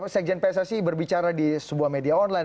sekjen pssi berbicara di sebuah media online